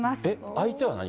相手は何？